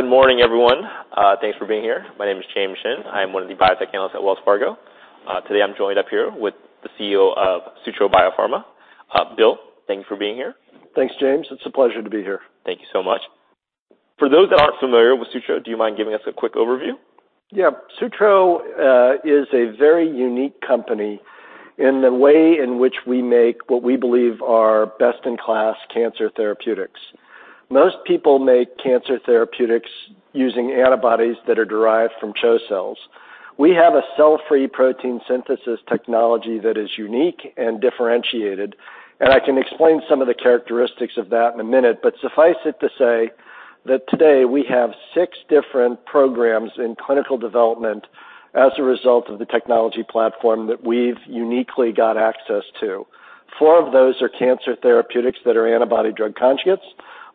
Good morning, everyone. Thanks for being here. My name is James Shin. I'm one of the biotech analysts at Wells Fargo. Today I'm joined up here with the CEO of Sutro Biopharma. Bill, thank you for being here. Thanks, James. It's a pleasure to be here. Thank you so much. For those that aren't familiar with Sutro, do you mind giving us a quick overview? Yeah. Sutro is a very unique company in the way in which we make what we believe are best-in-class cancer therapeutics. Most people make cancer therapeutics using antibodies that are derived from CHO cells. We have a cell-free protein synthesis technology that is unique and differentiated, and I can explain some of the characteristics of that in a minute. Suffice it to say that today we have six different programs in clinical development as a result of the technology platform that we've uniquely got access to. Four of those are cancer therapeutics that are antibody-drug conjugates.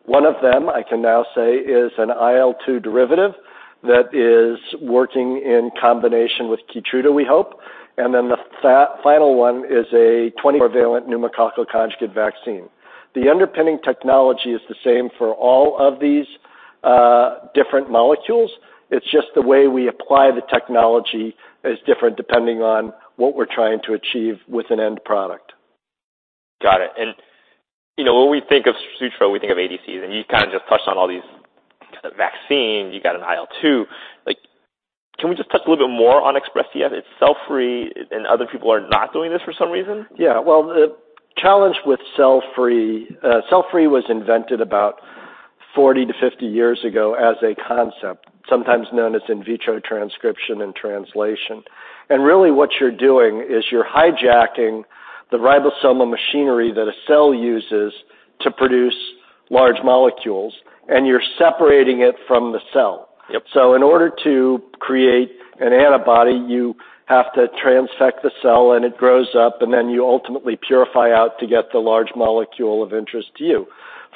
One of them, I can now say, is an IL-2 derivative that is working in combination with Keytruda, we hope. The final one is a 20-valent pneumococcal conjugate vaccine. The underpinning technology is the same for all of these different molecules. It's just the way we apply the technology is different depending on what we're trying to achieve with an end product. Got it. You know, when we think of Sutro, we think of ADCs, and you kind of just touched on all these kind of vaccines. You got an IL-2. Like, can we just touch a little bit more on XpressCF? It's cell-free, and other people are not doing this for some reason. Yeah. Well, challenge with cell-free, cell-free was invented about 40 years-50 years ago as a concept, sometimes known as in vitro transcription and translation. Really what you're doing is you're hijacking the ribosomal machinery that a cell uses to produce large molecules, and you're separating it from the cell. Yep. In order to create an antibody, you have to transfect the cell, and it grows up, and then you ultimately purify out to get the large molecule of interest to you.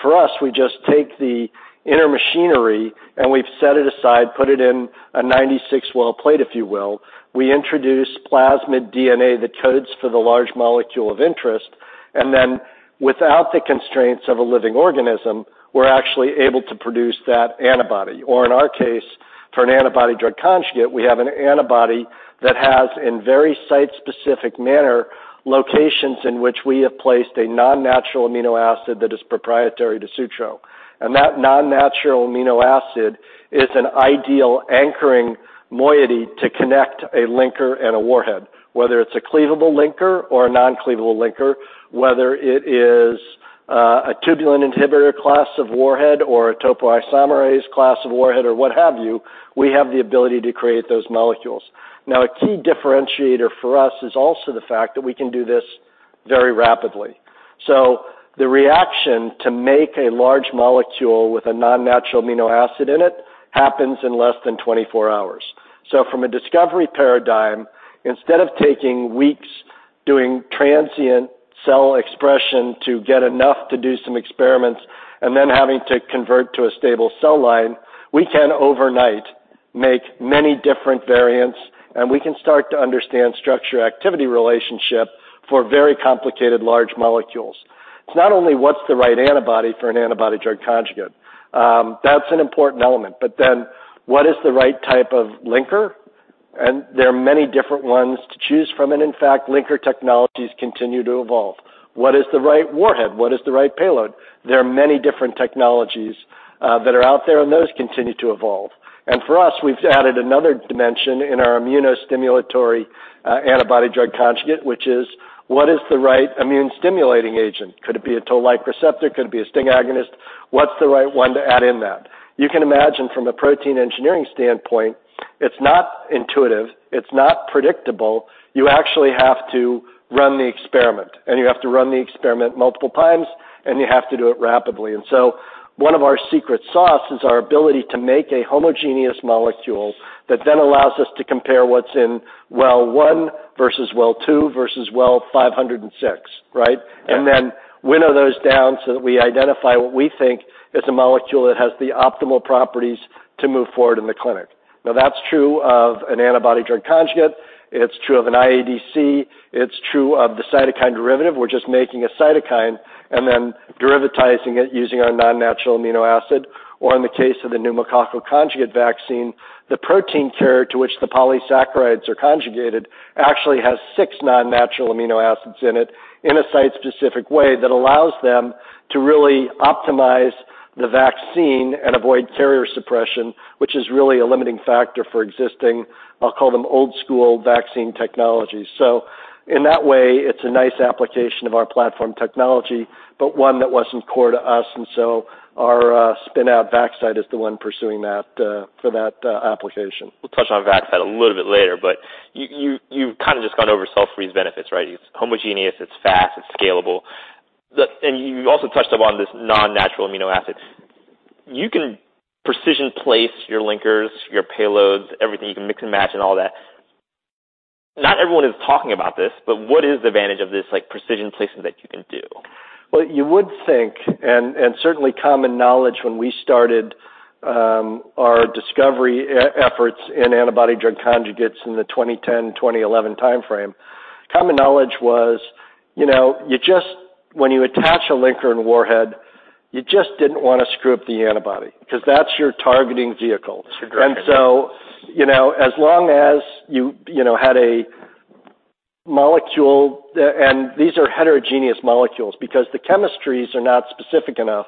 For us, we just take the inner machinery, and we've set it aside, put it in a 96-well plate, if you will. We introduce plasmid DNA that codes for the large molecule of interest. Then without the constraints of a living organism, we're actually able to produce that antibody. Or in our case, for an antibody-drug conjugate, we have an antibody that has, in very site-specific manner, locations in which we have placed a non-natural amino acid that is proprietary to Sutro. That non-natural amino acid is an ideal anchoring moiety to connect a linker and a warhead. Whether it's a cleavable linker or a non-cleavable linker, whether it is a tubulin inhibitor class of warhead or a topoisomerase class of warhead or what have you, we have the ability to create those molecules. Now, a key differentiator for us is also the fact that we can do this very rapidly. The reaction to make a large molecule with a non-natural amino acid in it happens in less than 24 hours. From a discovery paradigm, instead of taking weeks doing transient cell expression to get enough to do some experiments and then having to convert to a stable cell line, we can overnight make many different variants, and we can start to understand structure-activity relationship for very complicated large molecules. It's not only what's the right antibody for an antibody-drug conjugate. That's an important element, but then what is the right type of linker? There are many different ones to choose from. In fact, linker technologies continue to evolve. What is the right warhead? What is the right payload? There are many different technologies that are out there, and those continue to evolve. For us, we've added another dimension in our immunostimulatory antibody-drug conjugate, which is what is the right immune stimulating agent? Could it be a toll-like receptor? Could it be a STING agonist? What's the right one to add in that? You can imagine from a protein engineering standpoint, it's not intuitive, it's not predictable. You actually have to run the experiment, and you have to run the experiment multiple times, and you have to do it rapidly. One of our secret sauce is our ability to make a homogeneous molecule that then allows us to compare what's in well 1 versus well 2 versus well 506, right? Yeah. Then winnow those down so that we identify what we think is a molecule that has the optimal properties to move forward in the clinic. Now, that's true of an antibody-drug conjugate. It's true of an IADC. It's true of the cytokine derivative. We're just making a cytokine and then derivatizing it using our non-natural amino acid. Or in the case of the pneumococcal conjugate vaccine, the protein carrier to which the polysaccharides are conjugated actually has six non-natural amino acids in it in a site-specific way that allows them to really optimize the vaccine and avoid carrier suppression, which is really a limiting factor for existing, I'll call them old school vaccine technologies. In that way, it's a nice application of our platform technology, but one that wasn't core to us. Our spin out Vaxcyte is the one pursuing that for that application. We'll touch on Vaxcyte a little bit later, but you kind of just gone over cell-free's benefits, right? It's homogeneous, it's fast, it's scalable. You also touched upon this non-natural amino acids. You can precision place your linkers, your payloads, everything. You can mix and match and all that. Not everyone is talking about this, but what is the advantage of this, like, precision placement that you can do? Well, you would think, and certainly common knowledge when we started our discovery efforts in antibody-drug conjugates in the 2010, 2011 timeframe. Common knowledge was, you know, you just, when you attach a linker and warhead, you just didn't wanna screw up the antibody because that's your targeting vehicle. That's your drug. You know, as long as you know, had a molecule, and these are heterogeneous molecules because the chemistries are not specific enough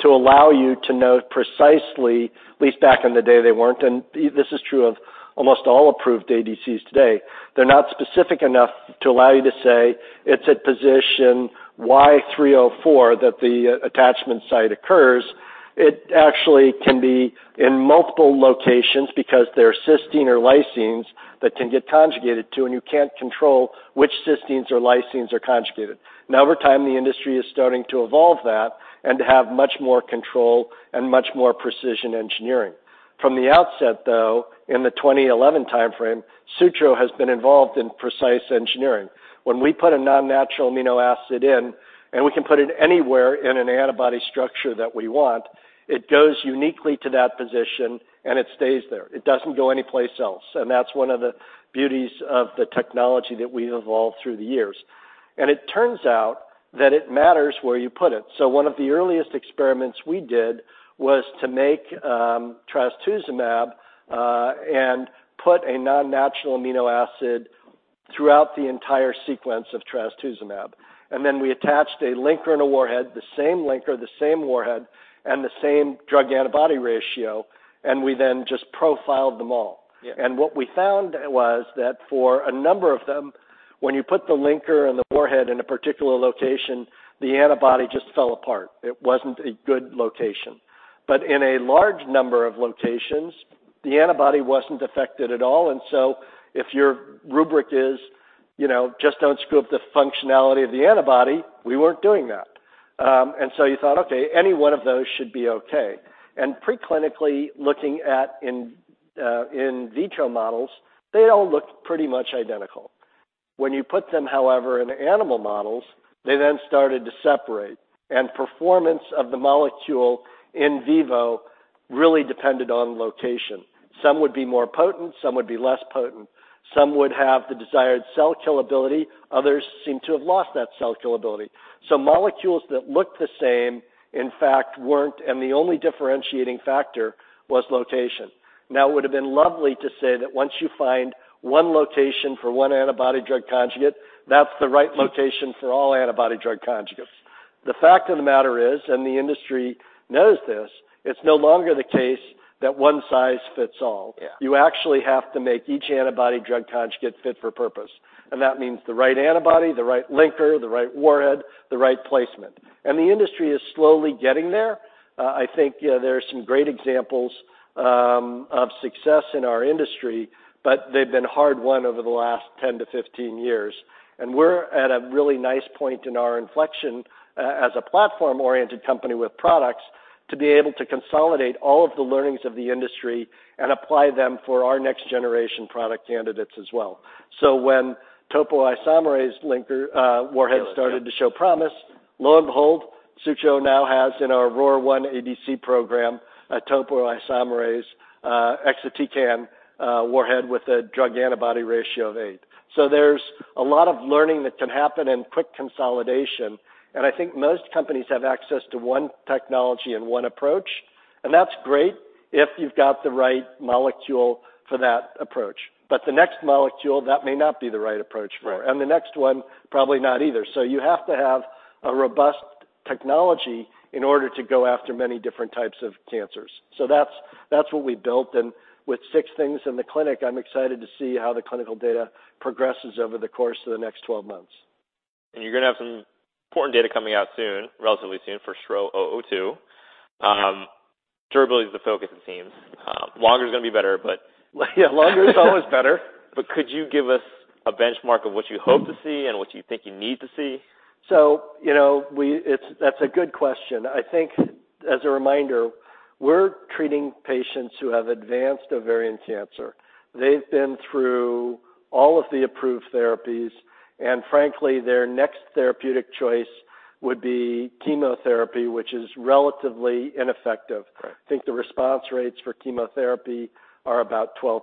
to allow you to know precisely, at least back in the day, they weren't, and this is true of almost all approved ADCs today. They're not specific enough to allow you to say it's at position Y304 that the attachment site occurs. It actually can be in multiple locations because they're cysteine or lysines that can get conjugated to, and you can't control which cysteines or lysines are conjugated. Now, over time, the industry is starting to evolve that and to have much more control and much more precision engineering. From the outset, though, in the 2011 timeframe, Sutro has been involved in precise engineering. When we put a non-natural amino acid in, and we can put it anywhere in an antibody structure that we want, it goes uniquely to that position, and it stays there. It doesn't go anyplace else, and that's one of the beauties of the technology that we evolved through the years. It turns out that it matters where you put it. One of the earliest experiments we did was to make trastuzumab and put a non-natural amino acid throughout the entire sequence of trastuzumab. Then we attached a linker and a warhead, the same linker, the same warhead, and the same drug-to-antibody ratio, and we then just profiled them all. Yeah. What we found was that for a number of them, when you put the linker and the warhead in a particular location, the antibody just fell apart. It wasn't a good location. In a large number of locations, the antibody wasn't affected at all. If your rubric is, you know, just don't screw up the functionality of the antibody, we weren't doing that. You thought, okay, any one of those should be okay. Pre-clinically looking at in vitro models, they all looked pretty much identical. When you put them, however, in animal models, they then started to separate, and performance of the molecule in vivo really depended on location. Some would be more potent, some would be less potent. Some would have the desired cell kill ability, others seemed to have lost that cell kill ability. Molecules that looked the same, in fact, weren't, and the only differentiating factor was location. Now, it would have been lovely to say that once you find one location for one antibody drug conjugate, that's the right location for all antibody drug conjugates. The fact of the matter is, and the industry knows this, it's no longer the case that one size fits all. Yeah. You actually have to make each antibody-drug conjugate fit for purpose. That means the right antibody, the right linker, the right warhead, the right placement. The industry is slowly getting there. I think, you know, there are some great examples of success in our industry, but they've been hard won over the last 10-15 years. We're at a really nice point in our inflection as a platform-oriented company with products to be able to consolidate all of the learnings of the industry and apply them for our next generation product candidates as well. When topoisomerase linker warhead started to show promise, lo and behold, Sutro now has in our ROR1 ADC program a topoisomerase exatecan warhead with a drug-to-antibody ratio of eight. There's a lot of learning that can happen and quick consolidation, and I think most companies have access to one technology and one approach, and that's great if you've got the right molecule for that approach. The next molecule, that may not be the right approach for. The next one, probably not either. You have to have a robust technology in order to go after many different types of cancers. That's what we built. With six things in the clinic, I'm excited to see how the clinical data progresses over the course of the next 12 months. You're gonna have some important data coming out soon, relatively soon for STRO-002. Durability is the focus, it seems. Longer is gonna be better, but. Yeah, longer is always better. Could you give us a benchmark of what you hope to see and what you think you need to see? You know, that's a good question. I think as a reminder, we're treating patients who have advanced ovarian cancer. They've been through all of the approved therapies, and frankly, their next therapeutic choice would be chemotherapy, which is relatively ineffective. Right. I think the response rates for chemotherapy are about 12%,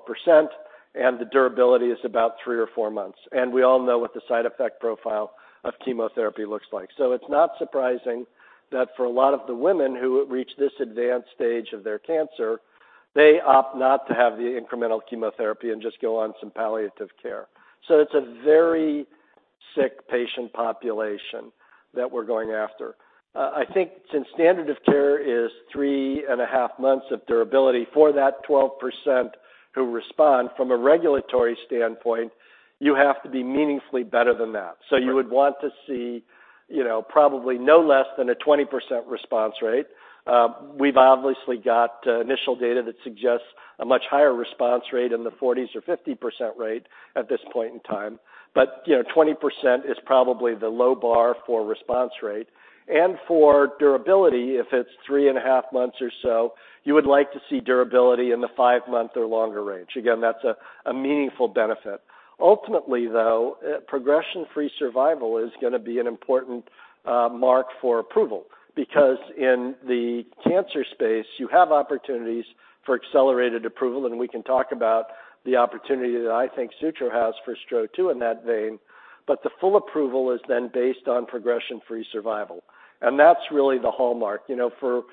and the durability is about three or four months. We all know what the side effect profile of chemotherapy looks like. It's not surprising that for a lot of the women who reach this advanced stage of their cancer, they opt not to have the incremental chemotherapy and just go on some palliative care. It's a very sick patient population that we're going after. I think since standard of care is three and half months of durability for that 12% who respond, from a regulatory standpoint, you have to be meaningfully better than that. You would want to see, you know, probably no less than a 20% response rate. We've obviously got initial data that suggests a much higher response rate in the 40s or 50% rate at this point in time. You know, 20% is probably the low bar for response rate. For durability, if it's three and half months or so, you would like to see durability in the five-month or longer range. Again, that's a meaningful benefit. Ultimately, though, progression-free survival is gonna be an important mark for approval. Because in the cancer space, you have opportunities for accelerated approval, and we can talk about the opportunity that I think Sutro has for STRO-002 in that vein, but the full approval is then based on progression-free survival. That's really the hallmark. You know, for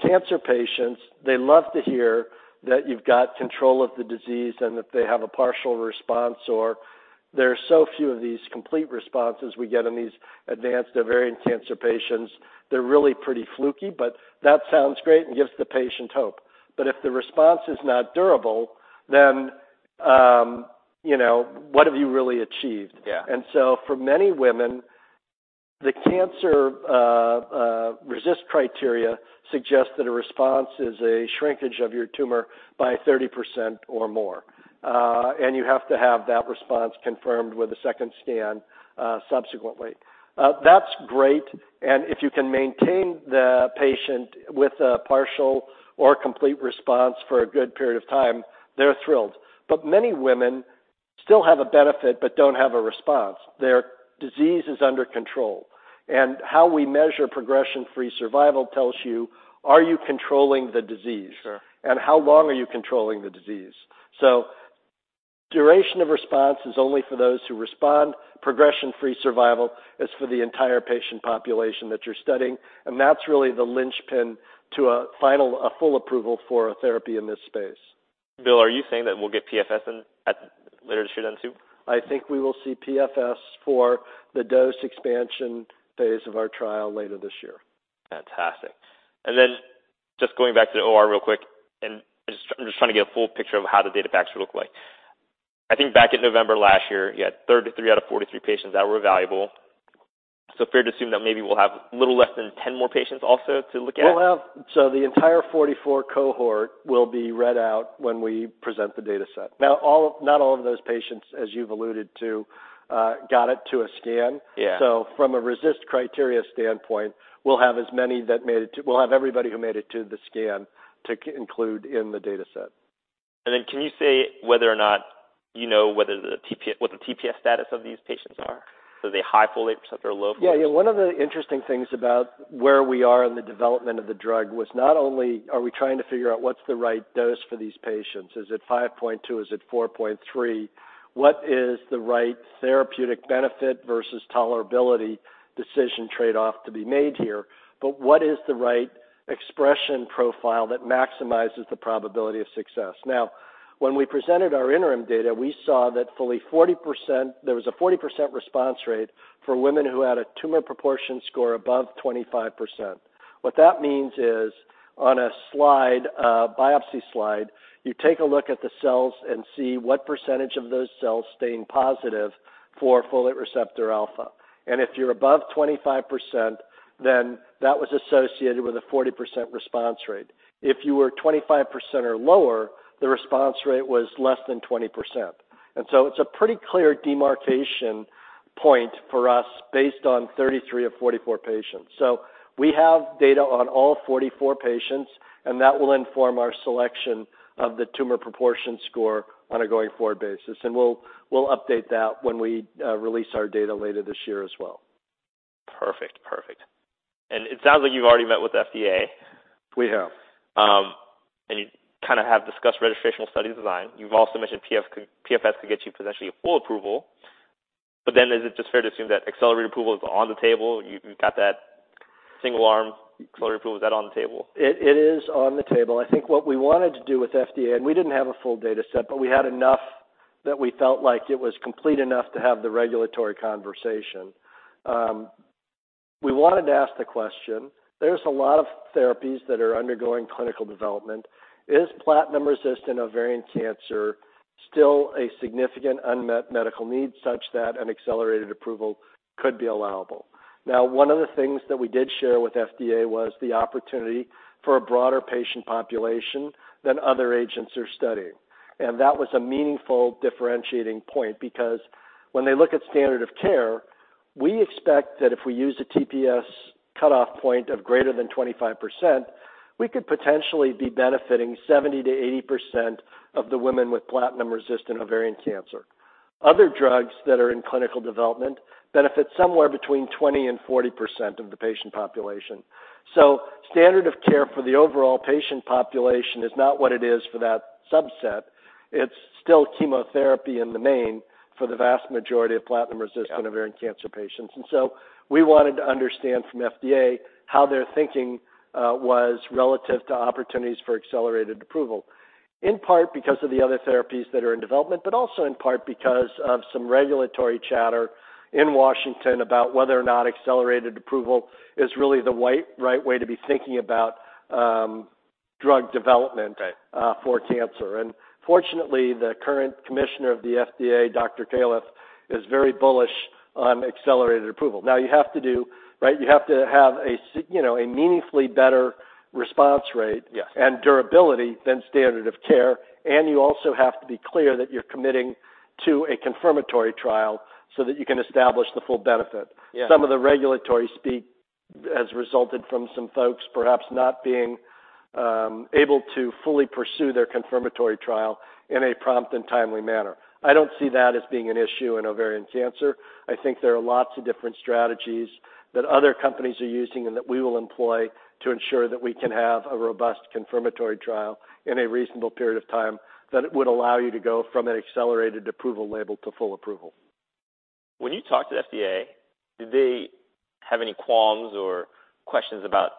cancer patients, they love to hear that you've got control of the disease and that they have a partial response or there are so few of these complete responses we get in these advanced ovarian cancer patients. They're really pretty fluky, but that sounds great and gives the patient hope. If the response is not durable, then, you know, what have you really achieved? Yeah. For many women, the cancer RECIST criteria suggests that a response is a shrinkage of your tumor by 30% or more. You have to have that response confirmed with a second scan, subsequently. That's great. If you can maintain the patient with a partial or complete response for a good period of time, they're thrilled. Many women still have a benefit but don't have a response. Their disease is under control. How we measure progression-free survival tells you, are you controlling the disease? Sure. How long are you controlling the disease? Duration of response is only for those who respond. Progression-free survival is for the entire patient population that you're studying, and that's really the linchpin to a final full approval for a therapy in this space. Bill, are you saying that we'll get PFS in later this year then, too? I think we will see PFS for the dose expansion phase of our trial later this year. Fantastic. Just going back to the OR real quick, and I'm just trying to get a full picture of how the data packs look like. I think back in November last year, you had 33 out of 43 patients that were evaluable. Fair to assume that maybe we'll have a little less than 10 more patients also to look at? The entire 44 cohort will be read out when we present the data set. Not all of those patients, as you've alluded to, got to a scan. Yeah. From a RECIST criteria standpoint, we'll have everybody who made it to the scan to include in the data set. Can you say whether or not you know whether what the TPS status of these patients are? Are they high folate receptor or low folate? Yeah. One of the interesting things about where we are in the development of the drug was not only are we trying to figure out what's the right dose for these patients, is it 5.2? Is it 4.3? What is the right therapeutic benefit versus tolerability decision trade-off to be made here? What is the right expression profile that maximizes the probability of success? Now, when we presented our interim data, we saw that fully 40%, there was a 40% response rate for women who had a tumor proportion score above 25%. What that means is on a slide, a biopsy slide, you take a look at the cells and see what percentage of those cells stain positive for folate receptor alpha. If you're above 25%, then that was associated with a 40% response rate. If you were 25% or lower, the response rate was less than 20%. It's a pretty clear demarcation point for us based on 33 of 44 patients. We have data on all 44 patients, and that will inform our selection of the tumor proportion score on a going-forward basis. We'll update that when we release our data later this year as well. Perfect. It sounds like you've already met with FDA. We have. You kind of have discussed registrational study design. You've also mentioned PF, PFS could get you potentially a full approval. Is it just fair to assume that accelerated approval is on the table? You've got that single-arm accelerated approval. Is that on the table? It is on the table. I think what we wanted to do with FDA, and we didn't have a full data set, but we had enough that we felt like it was complete enough to have the regulatory conversation. We wanted to ask the question, there's a lot of therapies that are undergoing clinical development. Is platinum-resistant ovarian cancer still a significant unmet medical need such that an accelerated approval could be allowable? Now, one of the things that we did share with FDA was the opportunity for a broader patient population than other agents are studying. That was a meaningful differentiating point because when they look at standard of care, we expect that if we use a TPS cutoff point of greater than 25%, we could potentially be benefiting 70%-80% of the women with platinum-resistant ovarian cancer. Other drugs that are in clinical development benefit somewhere between 20% and 40% of the patient population. Standard of care for the overall patient population is not what it is for that subset. It's still chemotherapy in the main for the vast majority of platinum-resistant ovarian cancer patients. We wanted to understand from FDA how their thinking was relative to opportunities for accelerated approval, in part because of the other therapies that are in development, but also in part because of some regulatory chatter in Washington about whether or not accelerated approval is really the right way to be thinking about drug development. Right. Fortunately, the current commissioner of the FDA, Dr. Califf, is very bullish on accelerated approval. Now, you have to have, you know, a meaningfully better response rate. Yes. and durability than standard of care, and you also have to be clear that you're committing to a confirmatory trial so that you can establish the full benefit. Yeah. Some of the regulatory speak has resulted from some folks perhaps not being able to fully pursue their confirmatory trial in a prompt and timely manner. I don't see that as being an issue in ovarian cancer. I think there are lots of different strategies that other companies are using and that we will employ to ensure that we can have a robust confirmatory trial in a reasonable period of time that it would allow you to go from an accelerated approval label to full approval. When you talked to FDA, did they have any qualms or questions about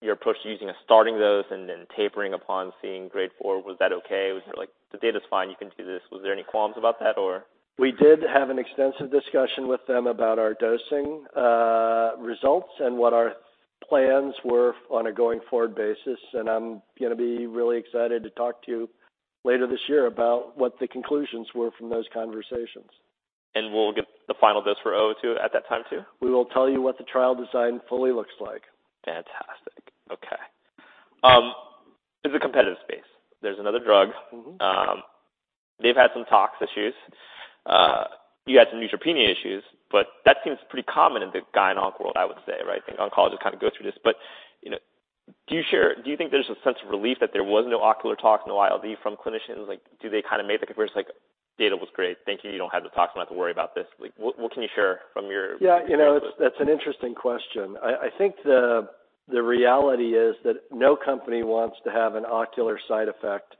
your approach using a starting dose and then tapering upon seeing grade 4? Was that okay? Was it like, "The data's fine, you can do this." Was there any qualms about that or? We did have an extensive discussion with them about our dosing, results and what our plans were on a going forward basis. I'm gonna be really excited to talk to you later this year about what the conclusions were from those conversations. We'll get the final dose for STRO-002 at that time too? We will tell you what the trial design fully looks like. Fantastic. Okay. It's a competitive space. There's another drug. They've had some tox issues. You had some neutropenia issues, but that seems pretty common in the gyn-onc world, I would say, right? I think oncologists kind of go through this. You know, do you think there's a sense of relief that there was no ocular tox, no ILD from clinicians? Like, do they kind of make the converse, like, "Data was great. Thank you. You don't have the tox. I don't have to worry about this." Like what can you share from your- Yeah. You know, that's an interesting question. I think the reality is that no company wants to have an ocular side effect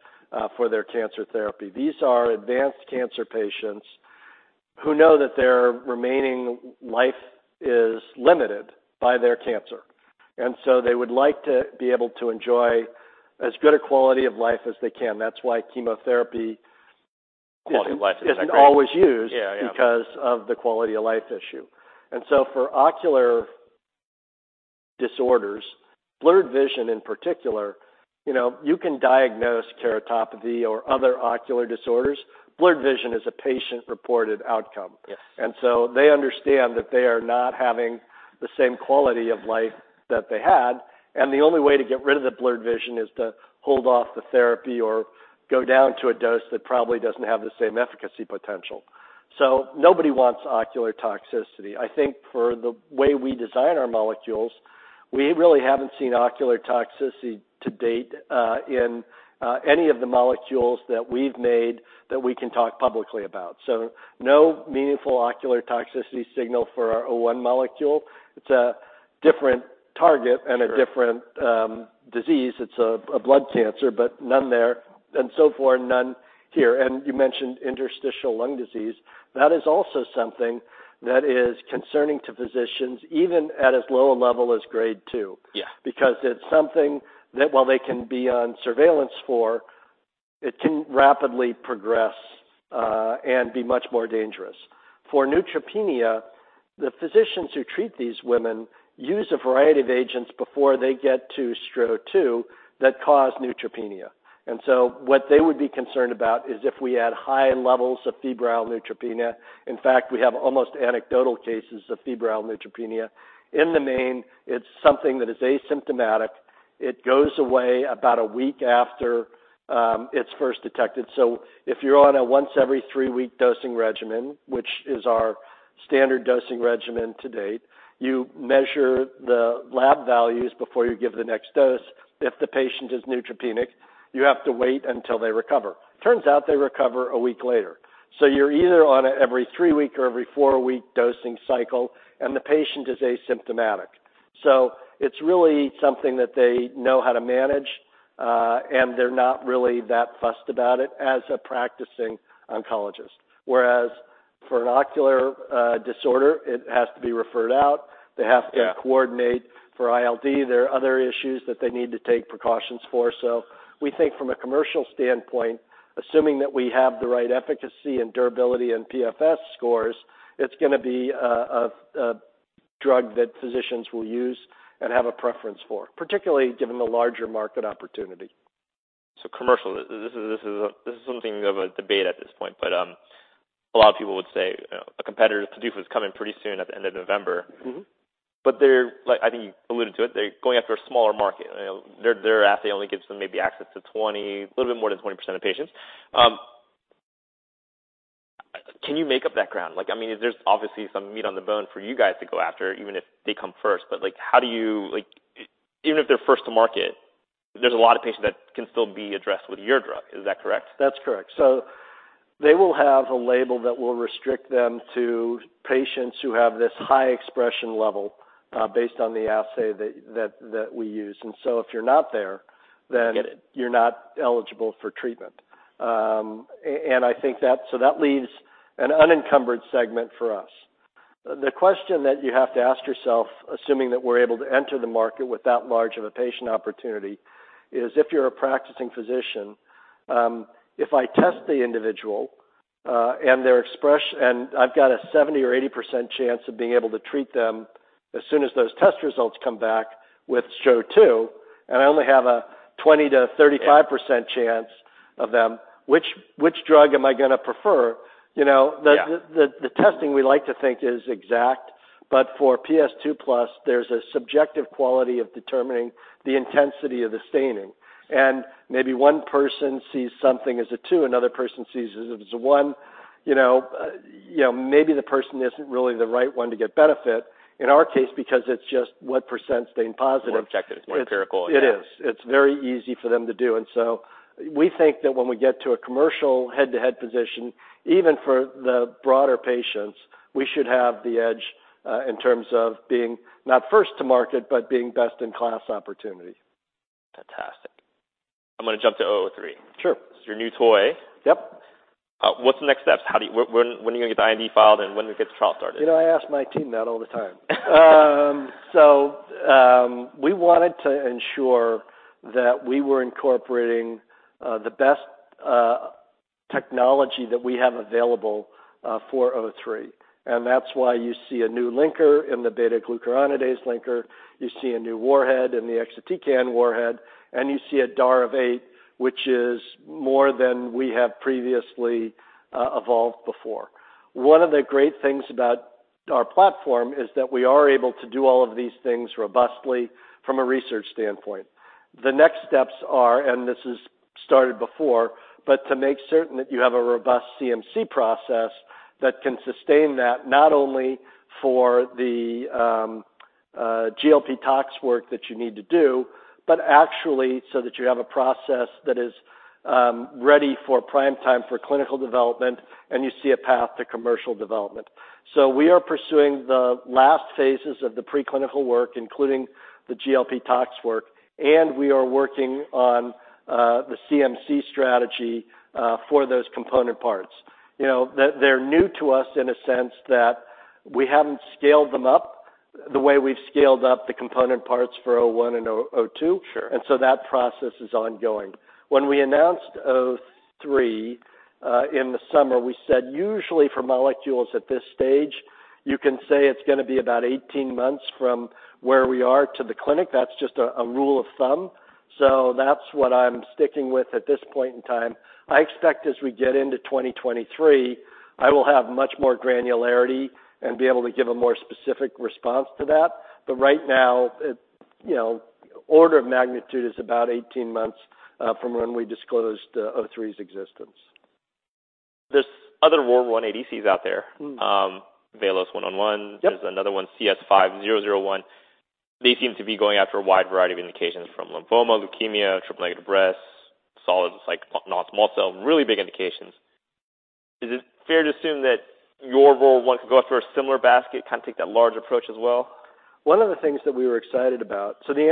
for their cancer therapy. These are advanced cancer patients who know that their remaining life is limited by their cancer. They would like to be able to enjoy as good a quality of life as they can. That's why chemotherapy. Quality of life is agreed. Isn't always used. Yeah. Yeah... because of the quality of life issue. For ocular disorders, blurred vision in particular, you know, you can diagnose keratopathy or other ocular disorders. Blurred vision is a patient-reported outcome. Yes. They understand that they are not having the same quality of life that they had, and the only way to get rid of the blurred vision is to hold off the therapy or go down to a dose that probably doesn't have the same efficacy potential. Nobody wants ocular toxicity. I think for the way we design our molecules, we really haven't seen ocular toxicity to date, in any of the molecules that we've made that we can talk publicly about. No meaningful ocular toxicity signal for our O one molecule. It's a different target. Sure a different disease. It's a blood cancer, but none there and so forth, none here. You mentioned interstitial lung disease. That is also something that is concerning to physicians, even at as low a level as grade two. Yeah. Because it's something that while they can be on surveillance for, it can rapidly progress, and be much more dangerous. For neutropenia, the physicians who treat these women use a variety of agents before they get to STRO-002 that cause neutropenia. What they would be concerned about is if we add high levels of febrile neutropenia. In fact, we have almost anecdotal cases of febrile neutropenia. In the main, it's something that is asymptomatic. It goes away about a week after it's first detected. If you're on a once every three-week dosing regimen, which is our standard dosing regimen to date, you measure the lab values before you give the next dose. If the patient is neutropenic, you have to wait until they recover. Turns out they recover a week later. You're either on a every three-week or every four-week dosing cycle, and the patient is asymptomatic. It's really something that they know how to manage, and they're not really that fussed about it as a practicing oncologist. Whereas for an ocular disorder, it has to be referred out. They have to coordinate for ILD. There are other issues that they need to take precautions for. We think from a commercial standpoint, assuming that we have the right efficacy and durability and PFS scores, it's gonna be a drug that physicians will use and have a preference for, particularly given the larger market opportunity. Commercial. This is something of a debate at this point, but a lot of people would say, you know, a competitor's product is coming pretty soon at the end of November. Like, I think you alluded to it, they're going after a smaller market. You know, their assay only gives them maybe access to 20, a little bit more than 20 patients. Can you make up that ground? Like, I mean, there's obviously some meat on the bone for you guys to go after, even if they come first. Like, even if they're first to market, there's a lot of patients that can still be addressed with your drug. Is that correct? That's correct. They will have a label that will restrict them to patients who have this high expression level, based on the assay that we use. If you're not there, then you're not eligible for treatment. I think that leaves an unencumbered segment for us. The question that you have to ask yourself, assuming that we're able to enter the market with that large of a patient opportunity, is if you're a practicing physician, if I test the individual, and I've got a 70% or 80% chance of being able to treat them as soon as those test results come back with STRO-002, and I only have a 20%-35% chance of them, which drug am I gonna prefer? You know- Yeah The testing we like to think is exact, but for TPS 2+, there's a subjective quality of determining the intensity of the staining. Maybe one person sees something as a 2, another person sees it as a 1. You know, you know, maybe the person isn't really the right one to get benefit. In our case, because it's just what % stained positive. It's more objective. It's more empirical. Yeah. It is. It's very easy for them to do. We think that when we get to a commercial head-to-head position, even for the broader patients, we should have the edge, in terms of being not first to market, but being best in class opportunity. I'm gonna jump to STRO-003. Sure. It's your new toy. Yep. What's the next steps? When are you gonna get the IND filed, and when do we get the trial started? You know, I ask my team that all the time. We wanted to ensure that we were incorporating the best technology that we have available for STRO-003, and that's why you see a new linker in the beta-glucuronidase linker. You see a new warhead in the exatecan warhead, and you see a DAR of 8, which is more than we have previously evolved before. One of the great things about our platform is that we are able to do all of these things robustly from a research standpoint. The next steps are, and this is started before, but to make certain that you have a robust CMC process that can sustain that, not only for the GLP tox work that you need to do, but actually so that you have a process that is ready for prime time for clinical development, and you see a path to commercial development. We are pursuing the last phases of the preclinical work, including the GLP tox work, and we are working on the CMC strategy for those component parts. You know, they're new to us in a sense that we haven't scaled them up the way we've scaled up the component parts for STRO-001 and STRO-002. Sure. That process is ongoing. When we announced STRO-003 in the summer, we said, usually for molecules at this stage, you can say it's gonna be about 18 months from where we are to the clinic. That's just a rule of thumb. That's what I'm sticking with at this point in time. I expect as we get into 2023, I will have much more granularity and be able to give a more specific response to that. Right now, you know, order of magnitude is about 18 months from when we disclosed STRO-003's existence. There's other ROR1 ADCs out there VLS-101. Yep. There's another one, CS5001. They seem to be going after a wide variety of indications from lymphoma, leukemia, triple negative breast, solids like non-small cell, really big indications. Is it fair to assume that your ROR1 could go through a similar basket, kind of take that large approach as well? The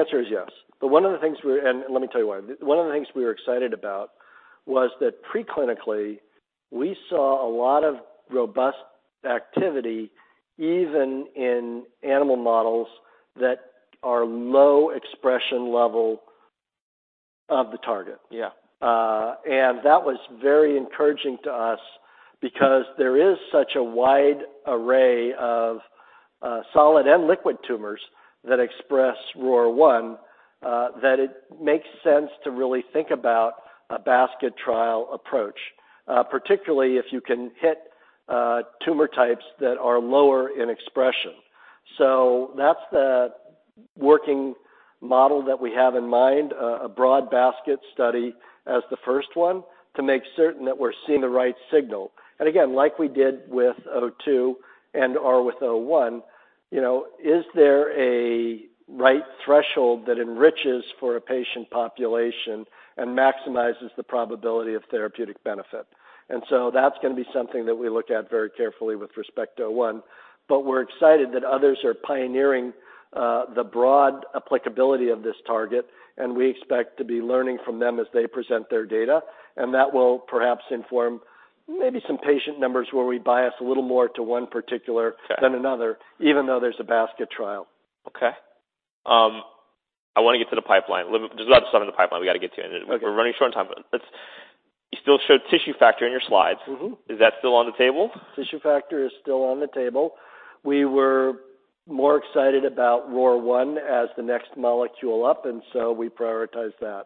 answer is yes. Let me tell you why. One of the things we were excited about was that preclinically we saw a lot of robust activity, even in animal models that are low expression level of the target. Yeah. That was very encouraging to us because there is such a wide array of solid and liquid tumors that express ROR1 that it makes sense to really think about a basket trial approach, particularly if you can hit tumor types that are lower in expression. That's the working model that we have in mind, a broad basket study as the first one to make certain that we're seeing the right signal. Again, like we did with STRO-002 or with STRO-001, you know, is there a right threshold that enriches for a patient population and maximizes the probability of therapeutic benefit? That's gonna be something that we look at very carefully with respect to STRO-001. We're excited that others are pioneering the broad applicability of this target, and we expect to be learning from them as they present their data. That will perhaps inform maybe some patient numbers where we bias a little more to one particular than another, even though there's a basket trial. Okay. I wanna get to the pipeline. There's a lot of stuff in the pipeline we gotta get to. Okay. We're running short on time. You still showed tissue factor in your slides. Is that still on the table? Tissue factor is still on the table. We were more excited about ROR1 as the next molecule up, and so we prioritized that.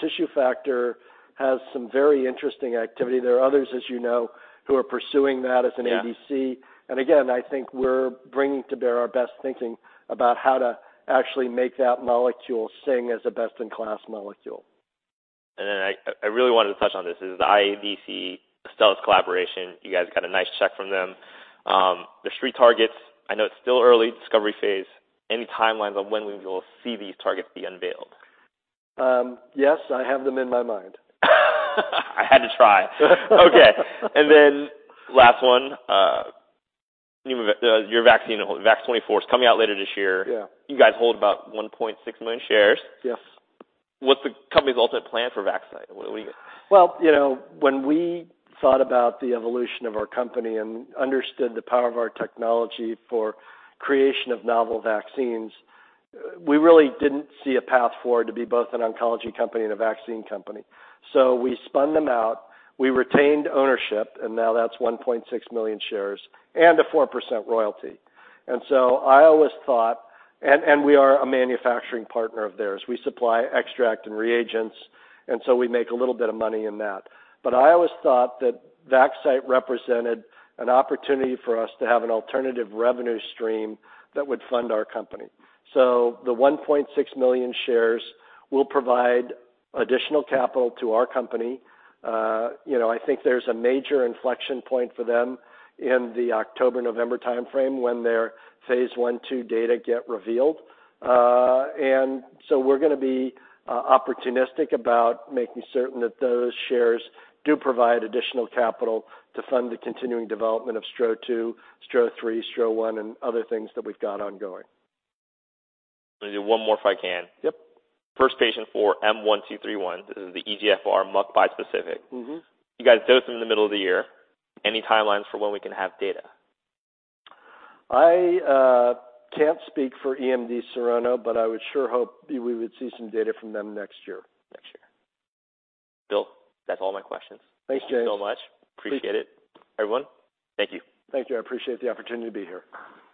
Tissue factor has some very interesting activity. There are others, as you know, who are pursuing that as an ADC. Yeah. Again, I think we're bringing to bear our best thinking about how to actually make that molecule sing as a best in class molecule. I really wanted to touch on this, is the iADC Astellas collaboration. You guys got a nice check from them. There's three targets. I know it's still early discovery phase. Any timelines on when we will see these targets be unveiled? Yes, I have them in my mind. I had to try. Okay. Last one, your vaccine, VAX-24, is coming out later this year. Yeah. You guys hold about 1.6 million shares. Yes. What's the company's ultimate plan for Vaxcyte? Well, you know, when we thought about the evolution of our company and understood the power of our technology for creation of novel vaccines, we really didn't see a path forward to be both an oncology company and a vaccine company. We spun them out, we retained ownership, and now that's 1.6 million shares and a 4% royalty. I always thought we are a manufacturing partner of theirs. We supply extract and reagents, and we make a little bit of money in that. I always thought that Vaxcyte represented an opportunity for us to have an alternative revenue stream that would fund our company. The 1.6 million shares will provide additional capital to our company. You know, I think there's a major inflection point for them in the October, November timeframe when their phase 1/2 data get revealed. We're gonna be opportunistic about making certain that those shares do provide additional capital to fund the continuing development of STRO-002, STRO-003, STRO-001, and other things that we've got ongoing. I'm gonna do one more if I can. Yep. First patient for M1231. This is the EGFR MUC1 specific. You guys dosed them in the middle of the year. Any timelines for when we can have data? I can't speak for EMD Serono, but I would sure hope we would see some data from them next year. Next year. Bill, that's all my questions. Thanks, James. Thank you so much. Appreciate it. Everyone, thank you. Thank you. I appreciate the opportunity to be here. Thank you.